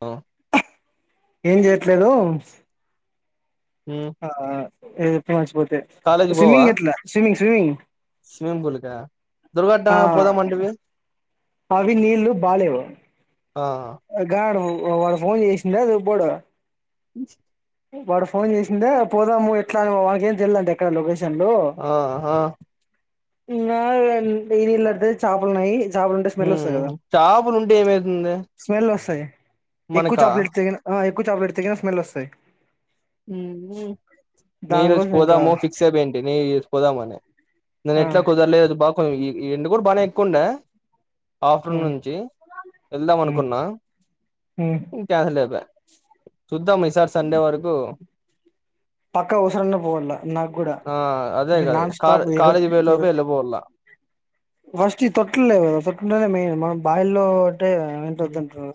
ఆ ఏం చేయట్లేదు మ్మ్ వచ్చిపోతే కాలేజ్ స్విమింగ్ ఎట్లా స్వింమింగ్ స్విమింగ్ దుర్గమాత టెంపుల్ కి పోదామంటవి అవి నీల్లు బాలేవు ఆ వాడు వాడు ఫోన్ చేసిండా దుబ్బోడు అ వాడు ఫోన్ చేసిండు పోదాము ఎట్లా వానికేం తెలియదట ఎక్కడ లొకేషన్ ఆ ఆ ఇంగా డెరీ అయితే చాపలున్నాయి మ్మ్ హ్హ్ చాపలు ఉంటే ఏమైతుందే స్మెల్ వస్తాయి ఎక్కువ టాబ్లెట్ ఏసిన ఎక్కువ స్మెల్ వస్తాయి ఈ రోజు దానికోసం ఇంకా పోదాము ఫిక్స్ అయి ఉంటిని పోదామనే ఈ రోజు నాకు ఆ ఇట్లా కుదరలేదు ఎండ కూడా బాగానే ఎక్కువ ఉండే ఆఫ్టర్నూన్ ఉమ్ నుంచి వెళ్దాం ఉమ్ అనుకున్నా ఉమ్ క్యాన్సిల్ అయిపోయింది చూద్దాం ఈసారి సండే వరకు పక్క ఊరికి పోవాల నాకు కూడా ఆ అదే ఇగా కద నాన్ కా స్టాప్ కాలేజీ పోయే లోపే వెళ్ళిపోవాల ఫస్ట్ ఈ తొటలు లేవు కదా తొటలుంటే మెయిన్ మనకు బాయిల్లో అంటే ఏంటవుతుంటరు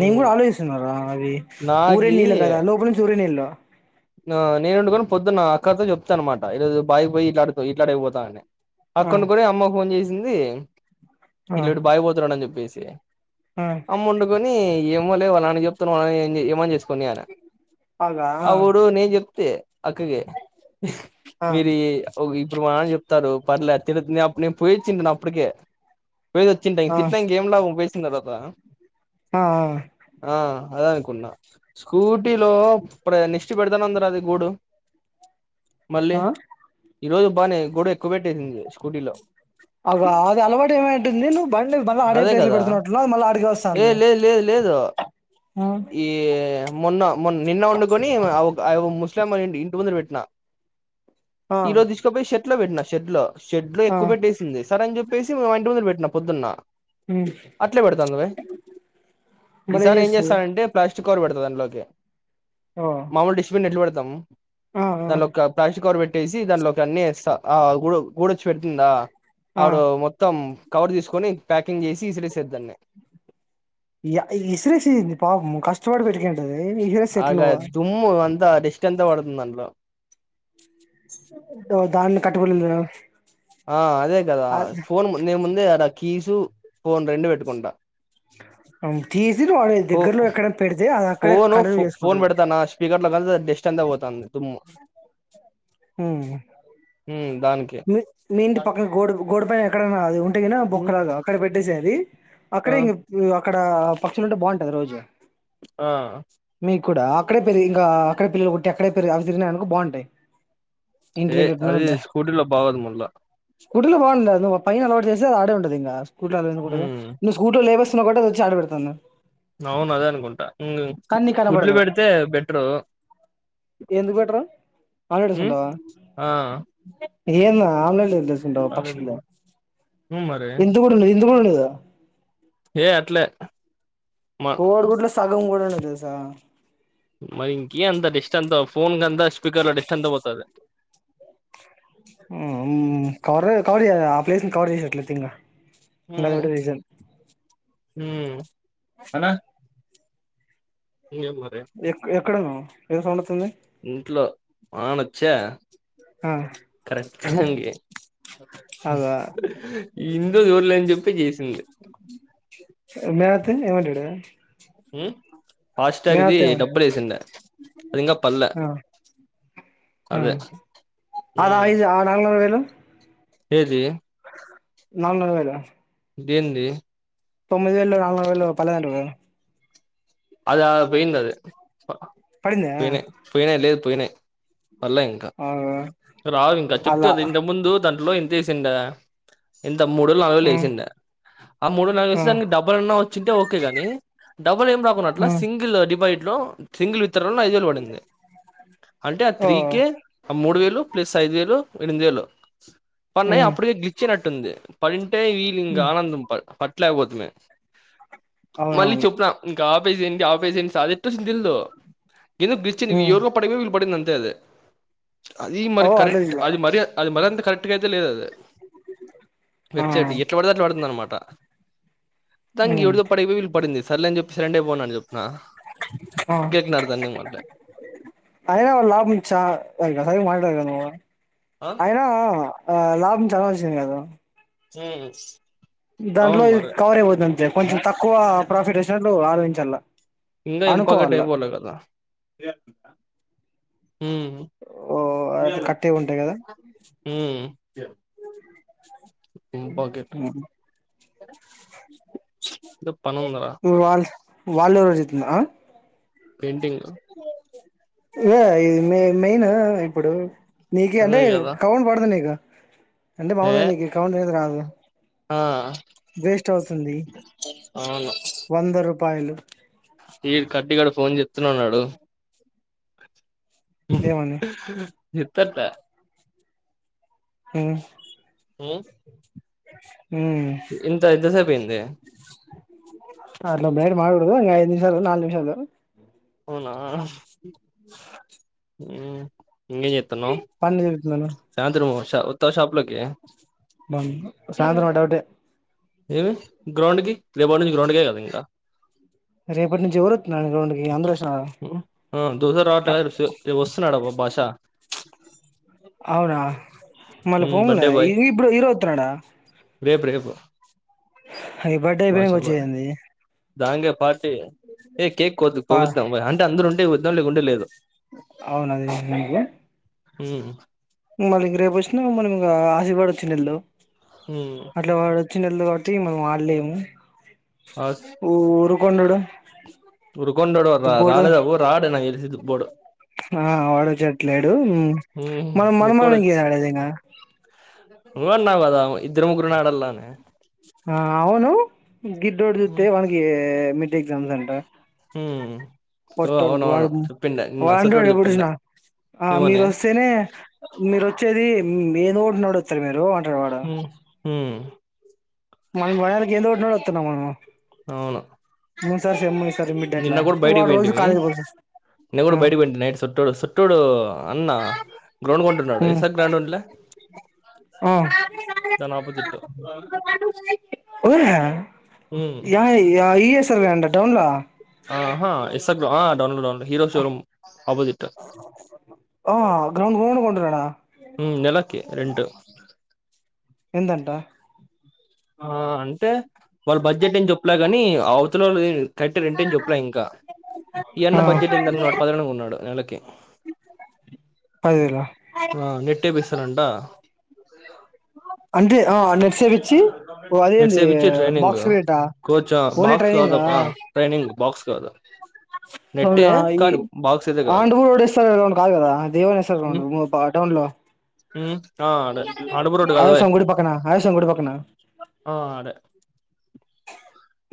నేను కూడా మ్మ్ ఆలోచిస్తున్నారా అది ఊరే నీళ్ళు కదా లోపలి నుంచి ఊరే నీళ్ళు ఇగా నేను పొద్దున నా అక్కాతో చెప్తాను అన్నమాట ఇదేదో పైకి పోయి ఇట్లనె పోతన్నాయి ఆ అక్క ఉండి అమ్మకు ఫోన్ చేసింది ఆ ఇట్లా బాయ్ కాడికి పోతున్నాడని చెప్పేసి ఆ అమ్మ వొండుకొని ఏమోలే వాళ్ళ నాన్నకు చెప్తాను వాళ్లు ఏమన్న చేసుకోని కొనియ్ అన్న ఆ ఊరు నేను చెప్తే అక్కగే ఆ మీరి ఈ ఒగా ఇప్పుడు మా నాన్న చెప్తారు. పర్లే తిడుతుంది అప్పుడ్ నేన్ పోయిచ్చిన అప్పుడ్కే పొయ్యి వచ్చింటా ఇక ఆ తిట్నంక ఏం లాభం పోయిచ్చిన తర్వాత ఆ అదనుకున్నా స్కూటీలో ప్ర నిష్ట్ పెడతానన్నరు అది కూడు మళ్ళీ ఆ ఈ రోజు బాగానే గూడి ఎక్కుపెట్టేసింది స్కూటీలో అగో అది అలవాటేమైంటుంది నువ్వు బండి మళ్ళీ ఆడే అదే ప్లేస్లో కదా పెడుతున్నట్టున్నావు మళ్ళీ అడికే ఏ వస్తాంది. లేదు లేదు లేదు ఆ ఈ మొన్న మొన్ నిన్న ఉండ కొని ఒక ముస్లమ్మోళ్ల ఇంటి ముందు పెట్టిన ఆ ఈ రోజు తీసుకోపోయి షెడ్ డ్లో పెట్టినా షెడ్ లో షెడ్ లో ఆ ఎక్కు పెట్టేసింది సరే అని చెప్పసి మే మా ఇంటి ముందర పెట్టినా పొద్దన ఉమ్ అట్లే పెడతాన్నవే. మళ్ళీ ఈసారి ఏం చేస్తది చేస్తానంటే ప్లాస్ట్ [unintelligible] పెడతా దాంట్లోకి ఓ మాముూలు డిష్బిన్ ఎట్ల పెడతాము. ఆ ఆ దాంట్లో ఒక ప్లాస్టిక్ కవర్ పెట్టేసి దాంట్లో కన్ని ఎస్తా ఆ గూ గూడొచ్చి పెడుతుందా ఆడు మొత్తం కవర్ తీసుకొని ప్యాకింగ్ చేసి ఇసిరేసేద్దాన్ని య ఇసిరేసింది పాపం కష్టపడి పెట్కొ ఆగా దుమ్ము అంతా డేస్ట్ అంతా పడుతుంది దాంట్లో దో- దాన్ని కట్టుబడి ఉన్నా ఆ అదే కదా ఫోన్ నే ముందే ఆడ కీస్ ఫోన్ రెండు పెట్టుకుంటా ఆ తీసిన్వీ వాళ్ళు ఫో దగ్గరలో ఎక్కడన్న పెడితే అది అక్కడే ఫోను కంటిన్యూ ఫో ఫోన్ చేసుకుంటది పెడతానా స్పీకర్ లోకల్ల డెస్ట్ అంతా పోతాంది. దుమ్ము మ్. ఉమ్ దానికి మీ మీంటి పక్కన గోడ గోడ పైన ఎక్కడనా అది ఉంటేగిన హ్మ్, బొక్కలాగా అక్కడ పెట్టేసేయండి ఆ అక్కడే ఇంగ్ అ అక్కడ పక్షులుంటే బాగుంటాది రోజు ఆ మీకు కూడా అక్కడే పెరిగి ఇంక అక్కడే పిల్లలు పుట్టి అక్కడే పెరిగినాయనుకో తిరిగినాయనుకో బాగుంటాయ్ ఏయ్ అది స్కూటీ లో బాగోదు మళ్ళా స్కూటీలో బాగుండదు నువ్వు ఆ పైన అలవాటు చేస్తే అది ఆడే ఉంటది ఇంగ స్కూటర్లో ఎందుకుంటది ఉమ్ నువ్వు స్కూటర్లో లేేబ నోకటే తెచ్చి ఆడే పెడతాన్న. అవును అదే అనుకుంటా ఇంగ నీకు గుడ్లు కనపడదు పెడితే బెటరు ఎందుకు పెట్టరు ఆమ్లెట్ ఉమ్ వేసుకుంటావా ఆ ఏంద ఆమ్లెట్ల్ ఎందుకేస్ అదెందుకు మ్ మ ఇంత కూడా ఉండదు, ఇంత కూడా ఉండదు. ఏ అట్లే మ కోడి గుడ్లో సగం కూడా ఉండదు తెలుసా మరి ఇంకే అంత డస్ట్ అంతా ఫోన్ కంతా స్పీకర్ లో డస్ట్ అంతా పోతాది. మ్ కవర్ చేయ్ కవర్ చేయ్ ఆ ప్లేస్ని కవర్ చేసట్లయితే ఇంగా ఇంగ మ్మ్ అదొకటే రీజన్ మ్ అన్నా ఇంగేం మరి అక్కడ ఏదో సౌండ్ వస్తుంది. ఇంట్లో వానొచ్చే ఆ కరెక్ట్ టైంకి అదా ఇంట్లో దూర్లేనని చెప్పి చేసింది. మీ నాన్నోత్తే ఏమంటడు మ్ ఫాస్ట్రాక్ట్ది ఏమ డబ్బులేసిండే అదింగా పల్లే ఆ ఆ అడ ఉమ్ ఐదు ఆ నాలున్నర వేలు ఏది నాలుగున్నర వేల దేంది. తొమ్మిది వేలు నాలుగున్నర వేలు పదంటావే అది ఆడ పోయిందది ప పడిందా పోయినాయ్ పోయినాయ్ లేదు పోయినాయ్. పల్లే ఇంకా రావింకా చెప్తి అలా కదా ఇంతకు ముందు దాంట్లో ఇం. చేసిండ ఇంత మూడువేలు నాలుగోలు ఆ వేసిండా ఆ మూడు వేలు నాలుగు వేేలు ఆ దానికి డబల్ అన్నా వచ్చింటే ఓకే గాని డబుల్ ఏం ఓ రాకున్నట్ల సింగిల్ డిపాజిట్ లో సింగిల్ విత్త డ్రాలో ఐదు వేలు పడింది అంటే ఆ త్రీ కె ఆ మూడు వేలు ప్లస్ ఐదు వేలు ఎనిమిది వేలు పన్నాయి అప్పటికే గిలిచేనట్టుంది పన్న తే వీళ్ళ ఇంకా ఆనందం పట్టలేకపోతుమే మళ్ళీ అవునవును చెప్పున ఇంకా ంటి ఆఫ అది ఎ్రి యోగ పడమే వీళ పడిందింత అదు అది ఓ మరి అట్లా కరెక్ట్ తీసుకో అది మ అది మర్యాంత కరెక్ట్ అట్కైతే లేదు అది ఆ వెబ్సైట్ ఎట్లా పడుద అట్లా పడుతుంది అన్నమాట మొత్తనికి ఎవడిదో పడిపోయి వీళు పడింది సర్లే అని చెప్పిసి రెండే పోన్నాను చెప్ప ఆ గేట్ నడదా నిమ్ మల్డ అయినా వాళ్ళ లాభం మంచ మద నువ్ ఆ అయినా ఆ లాభం చాలా వచ్చింది కదా హమ్ దాంట్లో ఇది కవర్ అయిపోతుంది అంతే ఆ? కొంచెం తక్కువ ప్రాఫిట్ వచ్చినట్లు ఆలోచించాల ఇంకా ఇంపాగా అనుకోవాల టైంపోల కదా ఉమ్ ఓ అట్లా కట్టేవి ఉంటాయి కదా ఉమ్ ఎమ్ పాకెట్ వాళ్ళ వాళ్ళు ఎవరో చేతున్నారా పెయింటింగ్ ఇదే ఈ మెయిన్ ఇప్పుడు నీకే అంటే అదే కదా కౌంట్ పడదు నీకు అంటే ఏ మాములుగానికి కౌంట్ అయితే రాదు ఆ వేస్ట్ అవుతుంది వంద రూపాయలు ఈ కట్టిగాడు ఫోన్ చేతున్నే ఉన్నాడు ఉమ్ ఏమని ఎత్తట్ల ఉమ్ హుమ్ ఉమ్ ఇంత ఇంత సేపేంది అట్లా బయటా మాటడుకుడుదు ఐదు నిమిషాలు నాలుగు నిమిషాలు అవునా ఇంగేం చెతన్నావ్ పని చెబుతున్నాను సాయంత్రం వర్ష వత్తావా షాప్ లోకి బా సాయంత్రం మా డౌటే ఏమి గ్రౌండ్ కి రేపటి నుంచి గ్రౌండ్ కె కదా ఇంకా రేపటి నుంచి ఎవారు వతున్నారు గ్రౌండ్ అందరు వచ్చి ఉమ్ దోస రావట్లే వా వస్తున్నాడబ్బ భాష అవునా మళ్ళీ ఉమ్ పోములే బర్త్డే బాయ్ ఇప్పుడు హీరో అవుతున్నాడా రేపు రేపు ఐ బర్డే అయిపోనాక వచ్చేదేంది దాంగే పార్టీ ఏ కేక్ కోద్ పా కోపిస్తాం అంటే అందరు ఉంటే కొద్దాం లేకుంటే లేదు అవును అదే ఉమ్ మళ్ళీ ఇంక రేపు వచ్చినా మనం ఇంకా ఆశీగాడు వచ్చిండేల్దు ఉమ్ అట్లా వా వచ్చిండేల్దు కాబట్టి మనం అడలేము ఆ ఊరుకొండడు ఊరువుకొండోడు రా దుబ్బోడు రాలేదు రాడ్ నాకు తెలిసి దుబోడు ఆ వాడ వచ్చేట్లేడు ఉమ్, మనం మనం ముక్కోడు ఇంకేడా ఆడేది ఇకా నువ్వే అన్నావుకాదా ఇద్దరు ముగ్గురు అడల్లా ఆ అవును గిడ్డోడు జూతే ఉమ్, వానికి మిడ్ ఎగ్జామ్ అంట ఉమ్. ఓ పొట్టోనికి అవునవును చెప్పిండే వా నిన్న సొట్టోడు ఎప్పుడు చెప్పిండే చూసిన ఆ మీరు ఏమోనే వస్తేనే మీరు వచ్చేది మేనోడు నడుస్తరా మీరు అంటాడు వాడు ఉమ్ ఉ మనం మోకానికి ఎండ కొట్టినపుడు వత్తున్నాం మనము అవును ఈ సారి సేమ్ ఈ సారి మిడ్ అట్ల వాడు రోజు కాలేజ్ పోతాడు నేను కూడ బయట పోయింటి నైట్ సుట్టోడు సుట్టోడు అన్నా గ్రౌండ్ కొంటున్నాడు ఎస్ ఆర్ గ్రౌండ్ ఉంట్లే ఉమ్ ఆ తన ఆపొజిట్ ఓయా యా యూఎస్ లో యాడున్నావ్ టౌన్ లో ఆహా ఎస డ్లో అ [inaudible] హీరోషోరూమ్ ఆపొజిట్ ఆ గ్రౌండ్ గ్రౌండ్ కొంటున్నాడా ఉమ్ నెలకి రెంటు ఎం దంట ఆ అంటే వాళ్ళ బడ్జెట్ ఏం చెప్పలే గానీ అవతలోల్ కె కట్టి రెంటెం చోప్పల ఇంకా ఈ అన్న ఆ బడ్జెట్ ఏందనుకున్నాడు పదహనుగు ఉన్నాడు నెలకి అది ఆ నెట్టే బీసనంట అంటే ఆ నెట్ సేపిచ్చి ఓ అదేంది నెట్సే బిచ్చె ట్రైనింగ్ బాక్స్ క్రికెటా కోచ్ా ఓన్లీ బాక్స్ ట్రైనింగా కాదాప్ప ట్రైనింగ్ బాక్స్ కాదు నెట్టే అవునా ఈ కానీ బాక్స్ అయితే కాదు ఆండూర్ రోడ్స్తర్ రౌండ్ కాదు కదా దేవనిస్త రౌండ్ ఉమ్ పలో ఉమ్ ఆ ఆడే అడపు రోడ్డు కాదు ఓయ్ అయసంగడి పక్కనా అయసంగుడి పక్కనా ట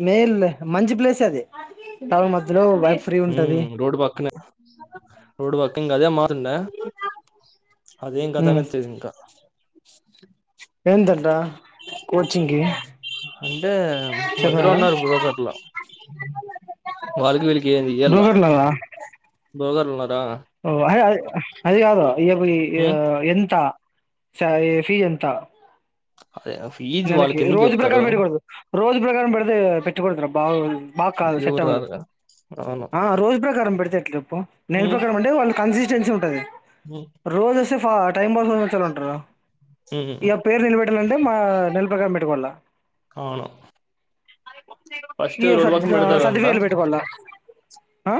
మేల్ మంచి ప్లేస్ అది టౌన్ మద్యలో ఉమ్ రోడ్ పక్కనె రోడ్ పక్కనె అదే మాత్రంట అదేం కదా ఉమ్ అంతది ఇంకా ఎంతంట అంటే మధ్యలో చెప్పాడా ఉన్నారు బ్రోకర్లో వాాల్లకి వీళ్ళకి ఏంతి యల్లా బ్రోకట్లదా ఓ అదే అఅది అది కాదు ఇక ఉమ్ పోయిఎంత స్వారీ ఫీజ్ ఎంత అదే ఫీజు నెలకి వాళ్ళకి ఎందుకు రోజు చెప్తారు ప్రకారం పెట్కడదు రోజు ప్రకారం బెడిద పెట్టుకడతుార బా బాగ్ కాదు సెట్ ఎవరు అవ్వదు రారుగా అవును ఆ రోజు ప్రకారం పెడితేట్లుప్పు నెల హ్మ్ ప్రకారం అంటే వాళ్ళు కన్స్ స్టెన్సి ఉంటది హ్మ్ రోజు వస్తే టైం పాస్ వ చాల ఉంటారు హ్మ్ ఇక పేరు నిలబెట్ పెట్టంటే మా నెల ప్రకారం పెట్టుకోా వల్ల అవును ఫస్ట్ ఈ రోడ్ పక్కన పెడతారంట సర్టిఫికేట్లు పెట్టుకోవాల ఆ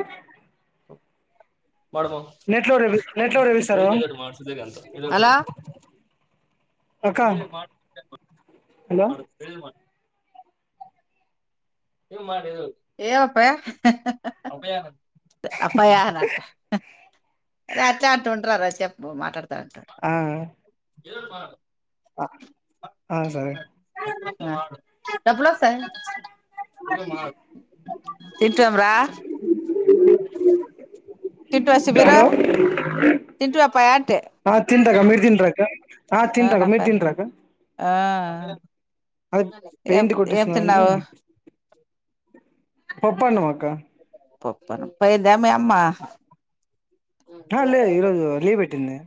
హలో నెట్లో రేపి నెట్లో రేపిస్తారు మమ్మ అక్క హలో [unintelligible] ఏ ఒప్పయ్ అప్పయా అనా అరె అట్లె అంటు వచ్చా మాట్లాడు ఆ ఏదోక్ మాట్ అ [inaudible] డబ్బులోస్తాయ్ తింటూం రా తింటవా అ సుబీరు గారు తింటివా అప్పయా అంటే ఆ తింటాక్కా మీరు తింటరా అహ్ తింట అక్క అవునప్ప మీరు తింట్ర అక్క ఆ అదే ఏం పెయింట్ ఏం కొట్టిస్తున్న తిన్నావు పప్పుఅన్నం అక్క పోయిందా అమ్మ లే ఈరోజు లీవ్ పెట్టింది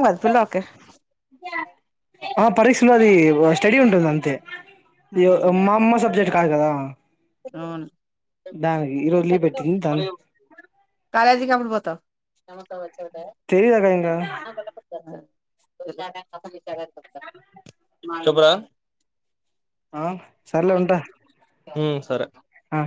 మద్యలోకి ఆ పరీక్ష ఉన్నది స్టడీ ఉంటుంది అంతే మా అమ్మ సబ్జెక్ట్ కాదు కదా అవును దానికి ఈరోజు లీవ్ పెట్టింది దా కాలేజీ కి ఎప్పుడూ పోతావ్ తెలీదు అక్క ఇంకా చెప్పురా ఆ హ సర్లే ఉంటా సరే ఆ